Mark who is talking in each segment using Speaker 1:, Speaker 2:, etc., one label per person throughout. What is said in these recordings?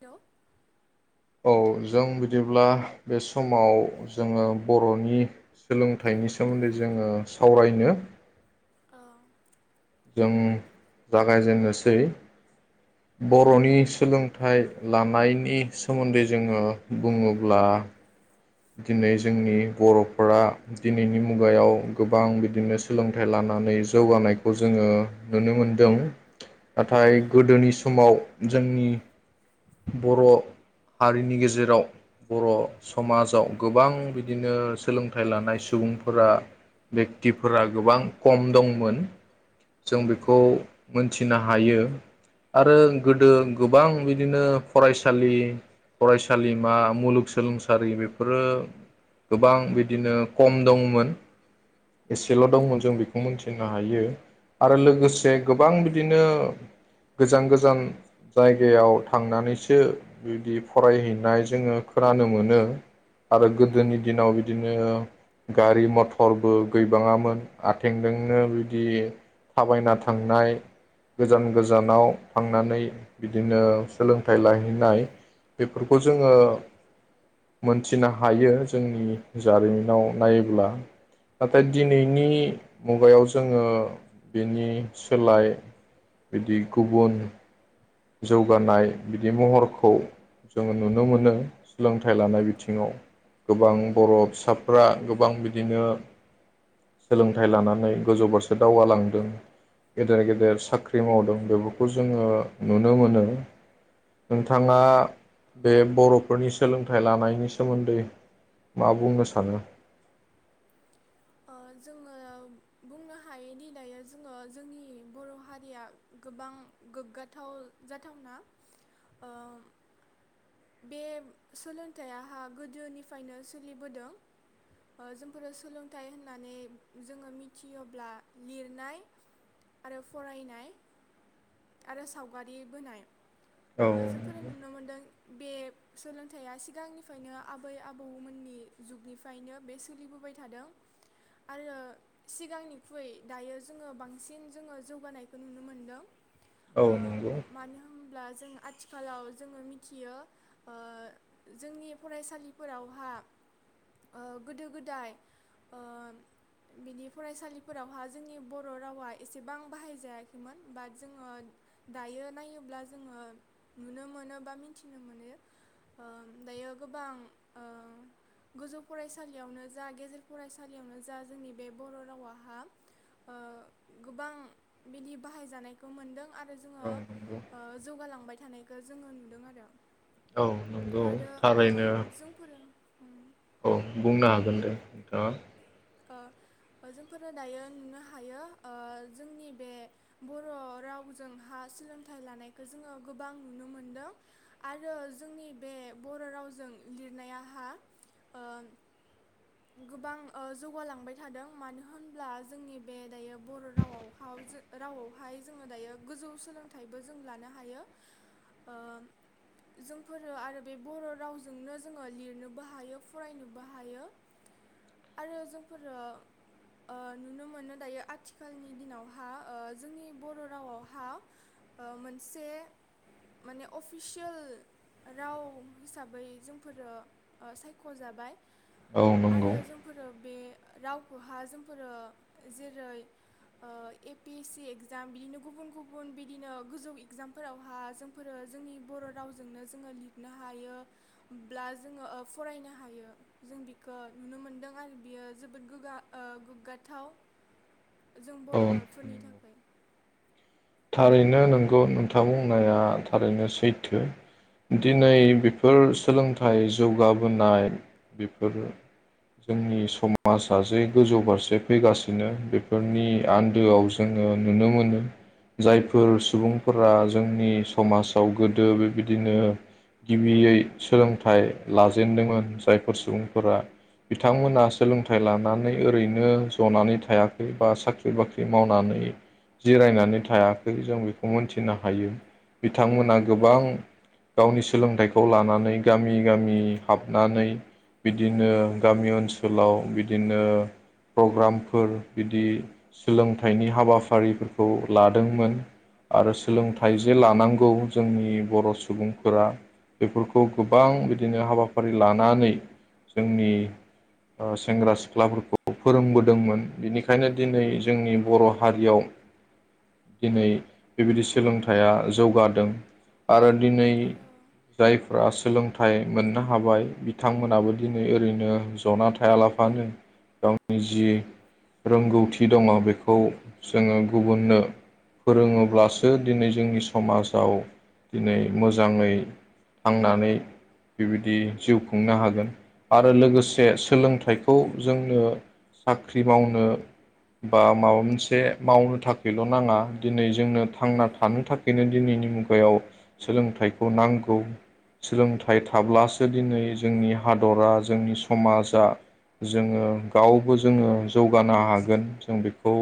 Speaker 1: Hello
Speaker 2: औ जों बिदिब्ला बे समाव जोङो बरनि सोलोंथाइनि सोमोन्दै जोङो सावरायनो
Speaker 1: औ
Speaker 2: जों जागायजेननोसै बरनि सोलोंथाइ लानायनि सोमोन्दै जोङो बुङोब्ला दिनै जोंनि बरफोरा दिनैनि मुगायाव गोबां बिदिनो सोलोंथाइ लानानै जौगानायखौ जोङो नुनो मोनदों
Speaker 1: ओ
Speaker 2: नाथाय गोदोनि समाव जोंनि बर' हारिनि गेजेराव बर' समाज- आव गोबां बिदिनो सोलोंथाइ लानाय सुबुंफोरा बेक्तिफोरा गोबां खम दंमोन। जों
Speaker 1: ओ
Speaker 2: बेखौ मो- नथिनो हायो आरो गोदो गोबां बिदिनो फरायसालि फरायसालिमा मुलुगसोलोंसारि- गोबां बिदिनो खम दंमोन। एसेल' दंमोन जों बेखौ मि- थिनो हायो आरो लोगोसे गोबां बिदिनो गोजान गोजान जायगायाव थांनानैसो बिदि फरायहैनाय जोङो खोनानो मोनो। आरो गोदोनि दिनाव बिदिनो- गारि मथरबो गैबाङामोन आथिंजोंनो बिदि थाबायना थांनाय गोजान गोजानाव थांनानै बिदिनो सोलोंथाइ लाहैनाय बेफोरखौ जोङो- मिथिनो हायो जोंनि जारिमिनाव नायोब्ला नाथाय दिनैनि
Speaker 1: ओं
Speaker 2: मुगायाव जोङो बेनि सोलाय बिदि गुबुन- जौगानाय बिदि महरखौ जोङो नुनो मोनो सोलोंथाइ लानाय बिथिङाव
Speaker 1: ओं
Speaker 2: गोबां बर' फिसाफ्रा गोबां बिदिनो सोलोंथाइ लानानै गोजौ फारसे दावगालांदों गेदेर गेदेर साख्रि मावदों बेफोरखौ जोङो। नुनो मोनो नोंथाङा
Speaker 1: ओं
Speaker 2: बे बर'फोरनि सोलोंथाइ लानायनि सोमोन्दै मा बुंनो सानो?
Speaker 1: अ जोङो बुंनो हायोदि दायो जोङो जोंनि बर' हारिया गोबां गोग्गाथाव जाथावना बे सोलोंथाइहा गोदोनिफ्रायनो सोलिबोदों जोंफोरो सोलों- थाइ होननानै जोङो मिथियोब्ला लिरनाय आरो फरायनाय आरो सावगारि बोनाय,
Speaker 2: औ
Speaker 1: जोंफोर नुनो मोनदों। बे सोलोंथाइया सिगांनिफ्रायनो आबै आबौमोननि जुगनिफ्रायनो बे सोलिबोबाय थादों आरो सिगांनिख्रुइ दायो जोङो बांसिन जोङो जौगानायखौ नुनो मोनदों।
Speaker 2: औ
Speaker 1: ओ
Speaker 2: नंगौ
Speaker 1: मानो होनब्ला जों आथिखालाव जोङो मिथियो जोंनि फरायसालिफोरावहा गोदो गोदाय बिनि फरायसालिफोरावहा जोंनि बर'रावा एसेबां बाहाय जायाखैमोन बाट जोङो दायो नायोब्ला जोङो नुनो मोनो बा मिथिनो मोनो दायो गोबां गोजौ फरायसालियावनो जा गेजेर फरायसालियावनो जा जोंनि बे बर' रावहा गोबां बिदि बाहायजानायखौ मोनदों आरो
Speaker 2: औ
Speaker 1: जोङो
Speaker 2: नंगौ
Speaker 1: जौगालांबाय थानायखौ जोङो नुदों आरो
Speaker 2: औ नंगौ
Speaker 1: आरो ओ
Speaker 2: थारैनो
Speaker 1: जोंफोरो उम
Speaker 2: औ बुंनो हागोन दे ओ
Speaker 1: जोंफोरो दायो नुनो हायो जोंनि बे बर' रावजोंहा सोलोंथाइ लानायखौ जोङो गोबां नुनो मोनदों आरो जोंनि बे बर' रावजों लिरनायाहा गोबां जौगालांबाय थादों मानो होनब्ला जोंनि बे दायो बर' रावावहाव रावावहाय जोङो दायो गोजौ सोलोंथाइबो जों लानो हायो जोंफोरो आरो बे बर' रावजोंनो जोङो लिरनोबो हायो फरायनोबो हायो। आरो जोंफोरो ओ नुनो मोनो दायो आथिखालनि दिनावहा ओ जोंनि बर' रावावहा ओ मोनसे माने अफिसियेल राव हिसाबै जोंफोरो सायख'जाबाय।
Speaker 2: औ नंगौ
Speaker 1: आरो जोंफोरो बे रावखौहा जोंफोरो जेरै ओ‌ A P S C exam बिदिनो गुबुन गुबुन बिदिनो गोजौ एगजामफोरावहा जोंफोरो जोंनि बर' रावजोंनो जोङो लिरनो हायोब्ला जोङो फरायनो हायो जों ओ नुनो मोनदों आरो बियो जोबोद गोगा ओ‌ गोग्गाथाव। जों
Speaker 2: औ
Speaker 1: बर'फोरनि थाखाय
Speaker 2: थारैनो नोंगौ नोंथां बुंनाया थारैनो सैथो दिनै बेफोर थारैनो नोंगौ नोंथां बुंनाया थारैनो सैथो दिनै बेफोर सोलोंथाइ जौगाबोनाय बेफोर जोंनि समाजा जे गोजौ फारसे फैगासिनो बेफोरनि आन्दोआव जोङो नुनो मोनो जाय फोर
Speaker 1: ओ
Speaker 2: सुबुंफोरा जोंनि समाजाव गोदो बेबायदिनो गिबियै सोलोंथाइ लाजेनदोंमोन जायफोर सुबुंफोरा बिथांमोना सोलोंथाइ लानानै ओरैनो ज'नानै थायाखै बा साख्रि बाख्रि मावनानै जिरायनानै था थायाखै जों बेखौ मोनथिनो हायो बिथांमोना
Speaker 1: ओ
Speaker 2: गोबां गावनि सोलोंथाइखौ लानानै गामि गामि हाबनानै बिदिनो गामि ओनसोलाव बिदिनो प्रग्रामफोर बिदि सोलोंथाइनि हाबाफारिफोरखौ लादोंमोन आरो
Speaker 1: ओ
Speaker 2: सोलोंथाइ जे लानांगौ जोंनि बर' सुबुंफोरा बेफोरखौ गोबां बिदिनो हाबाफारि लानानै जोंनि ओ सेंग्रा सिख्लाफोरखौ फोरोंबोदोंमोन बेनिखायनो दिनै जोंनि बर' हारियाव दिनै बेबायदि सोलोंथाइया जौगादों आरो दिनै जायफ्रा सोलोंथाइ मोननो हाबाय बिथांमोनाबो दिनै ओरैनो जना थायालाफानो गावनि जि रोंगौथि दङ' बेखौ जोङो गुबुननो फोरोङोब्लासो दिनै जोंनि समाजाव दिनै मोजाङै थांनानै बेबायदि जिउ खुंनो हागोन आरो लोगोसे सोलोंथाइखौ जोंनो साख्रि मावनो बा माबा मोनसे मावनो थाखै ल' नाङा दिनै जोंनो थांना
Speaker 1: ओ
Speaker 2: थानो थाखैनो दिनैनि मुगायाव सोलोंथाइखौ नांगौ। सोलोंथाइ थाब्लासो दिनै जोंनि हादरा जोंनि समाजा जोङो गावबो जोङो जौगानो हागोन जों बेखौ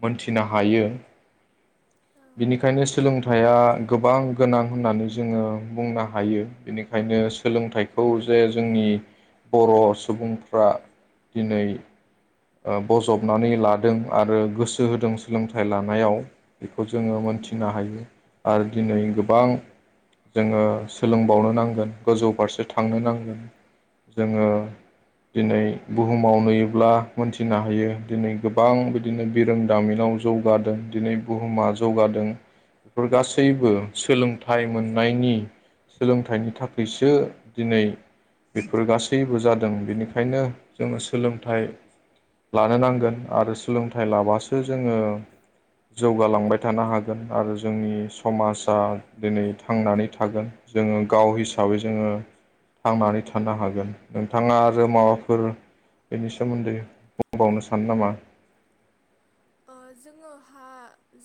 Speaker 2: मोनथिनो हायो।
Speaker 1: ओ
Speaker 2: बिनिखायनो सोलोंथाइया गोबां गोनां होननानै जोङो बुंनो हायो। बेनिखायनो सोलोंथाइखौ जे जोंनि बर' सुबुंफ्रा दिनै ओ बजबनानै लादों आरो गोसो होदों। सोलोंथाइ लानायाव बेखौ जोङो मोनथिनो
Speaker 1: ओ
Speaker 2: हायो आरो दिनै गोबां जोङो सोलोंबावनो नांगोन गोजौ फारसे थांनो नांगोन। जोङो दिनै बुहुमाव नुयोब्ला मोनथिनो हायो दिनै गोबां बिदिनो बिरोंदामिनाव जौगादों दिनै बुहुमा जौगादों बेफोर गासैबो सोलोंथाइ मोननायनि सोलोंथाइनि थाखैसो दिनै बेफोर गासैबो जादों बेनिखायनो जोङो सोलोंथाइ लानो नांगोन आरो सोलोंथाइ लाबासो जोङो जौगालांबाय थानो हागोन आरो जोंनि समाजा दिनै थांनानै थागोन जोङो गाव हिसाबै जोङो थांनानै थानो हागोन। नोंथाङा आरो माबाफोर बेनि सोमोन्दै बुंबावनो सानो नामा?
Speaker 1: ओ जोङोहा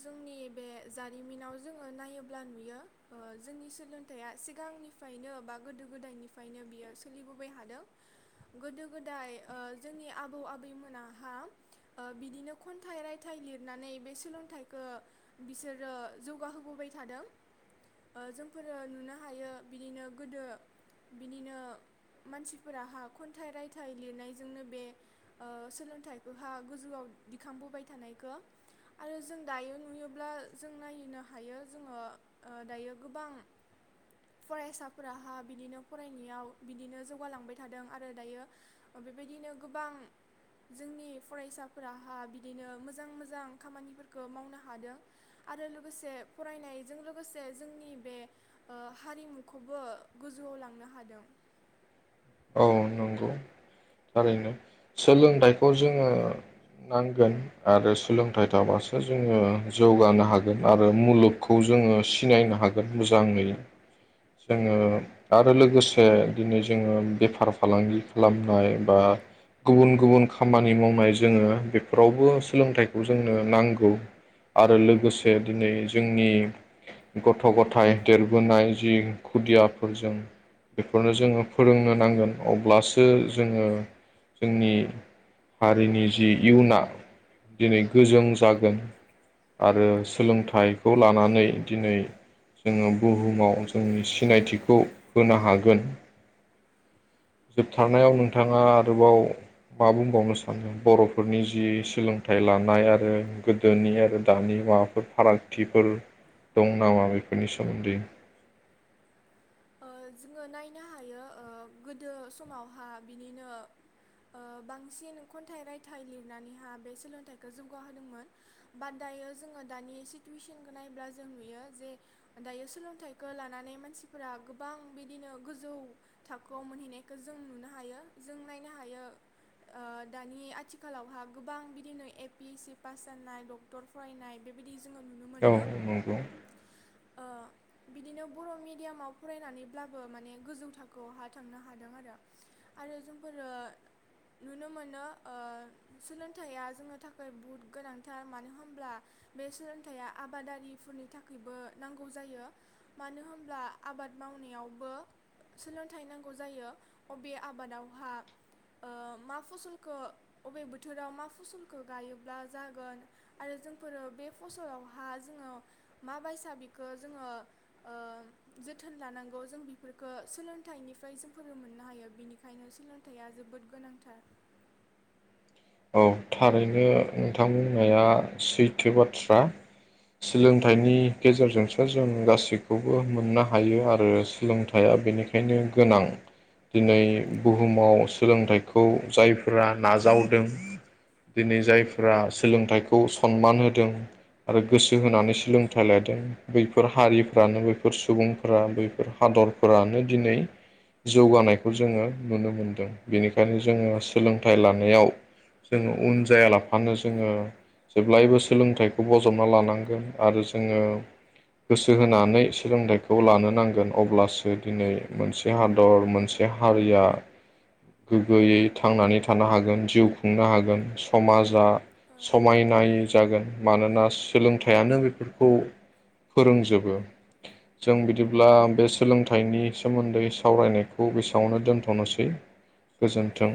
Speaker 1: जोंनि बे जारिमिनाव जोङो नायोब्ला नुयो ओ जोंनि सोलोंथाइया सिगांनिफायनो बा गोदो गोदायनिफायनो बियो सोलिबोबाय हादों। गोदो गोदाय ओ जोंनि आबौ आबैमोनाहा ओ बिदिनो खन थाइ रायथाइ लिरनानै बे सोलोंथाइखो बिसोरो जौगाहोबोबाय थादों। ओ जोंफोरो नुनो हायो बिदिनो गोदो बिनिनो मानसिफोराहा खन्थाइ रायथाइ लिरनायजोंनो बे ओ सोलोंथाइखौहा गोजौआव दि खांबोबाय थानायखो आरो जों दायो नुयोब्ला जों नायनो हायो जोङो दायो गोबां फरायसाफोराहा बिदिनो फरायनायाव बिदिनो जौगालांबाय थादों आरो दायो बेबायदिनो गोबां जोंनि फरायसाफोरा हा बिदिनो मोजां मोजां खामानिफोरखौ मावनो हादों आरो लोगोसे फरायनायजों लोगोसे जोंनि बे ओ हारिमुखौबो गोजौआव लांनो हादों।
Speaker 2: औ नंगौ थारैनो। सोलोंथाइखौ जोङो नांगोन आरो सोलोंथाइ थाबासो जोङो जौगानो हागोन आरो मुलुगखौ जोङो सिनायनो हागोन मोजाङै। जोङो आरो लोगोसे दिनै जोङो बेफार फालांगि खालामनाय बा गुबुन गुबुन खामानि मावनाय जोङो बेफोरावबो सोलोंथाइखौ जोंनो नांगौ। आरो लोगोसे
Speaker 1: उम
Speaker 2: दिनै जों जोंनि गथ' गथाय देरबोनाय जि खुदियाफोरजों बेफोरनो जोङो फोरोंनो नांगोन अब्लासो जोङो जोंनि हारिनि जि इयुना दिनै गोजों जागोन आरो
Speaker 1: औ
Speaker 2: सोलोंथाइखौ लानानै दिनै जोङो बुहुमाव जोंनि सिनायथिखौ होनो हागोन। जोबथारनायाव नोंथाङा आरोबाव मा बुंबावनो सानो बर'फोरनि जि सोलोंथाइ लानाय आरो गोदोनि आरो दानि माबाफोर फारागथिफोर दं नामा बेफोरनि सोमोन्दै।
Speaker 1: ओ जोङो नायनो हायो ओ गोदो समावहा बिनिनो ओ बांसिन खन्थाइ रायथाइ लिरनानैहा बे सोलोंथाइखो जौगाहोदोंमोन बाट दायो जोङो दानि सिटुवेसनखौ नायला जों नुयो जे दायो सोलोंथाइखो लानानै मानसि फोरा गोबां बिदिनो गोजौ थाखोआव मोनहैनायखौ जों नुनो हायो। जों नायनो हायो ओ दानि आथिखालावहा गोबां बिदिनो A P S C pass जानाय, डक्टर फरायनाय बेबायदि जोङो नुनो
Speaker 2: औ
Speaker 1: मोनदों
Speaker 2: नंगौ।
Speaker 1: ओ बिदिनो बर' मि डियामाव फरायनानैब्लाबो माने गोजौ थाखोआवहा थांनो हादों आरो। आरो जोंफोरो नुनो मोनो ओ सोलोंथाइया जोंनो थाखै बहुद गोनांथार मानो होनब्ला बे सोलोंथाइया आबादारिफोरनि थाखैबो नांगौ जायो। मानो होनब्ला आबाद मावनायावबो सोलोंथाइ नांगौ जायो। अबे आबादावहा ओ मा फसलखो अबे बोथोराव मा फसलखो गायोब्ला जागोन आरो जोंफोरो बे फसलावहा जोङो मा बायसा बेखो जोङो ओ जोथोन लानांगौ जों बेफोरफोरखो सोलोंथाइनिफ्राय जों फोरों मोननो हायो बिनिखायनो सोलोंथाइया जोबोद गोनांथार।
Speaker 2: औ थारैनो नोंथां बुंनाया सैथो बाथ्रा। सोलोंथाइनि गेजेरजोंसो जों गासैखौबो मोननो हायो आरो सोलोंथाइया बेनिखायनो गोनां दिनै। बुहुमाव सोलोंथाइखौ जायफोरा नाजावदों दिनै जायफ्रा सोलोंथाइखौ सनमान होदों आरो गोसो होनानै सोलोंथाइ लादों। बैफोर हारिफ्रानो बैफोर सुबुंफोरा बैफोर हादरफोरानो दिनै जौगानायखौ जोङो नुनो मोनदों। बेनिखायनो जोङो सोलोंथाइ लानायाव जोङो उन जायालाफानो जोङो जेब्लायबो सोलोंथाइखौ बजबना लानांगोन आरो जोङो गोसो होनानै सोलोंथाइखौ लानो नांगोन अब्लासो दिनै मोनसे हादर, मोनसे हारिया गोग्गोयै थांनानै थानो हागोन। जिउ खुंनो हागोन समाजा समायनायै जागोन मानोना सोलोंथाइयानो बेफोरखौ फोरोंजोबो। जों बिदिब्ला बे सोलोंथाइनि सोमोन्दै सावरायनायखौ बेसेबावनो दोन थ'नोसै गोजोन्थों।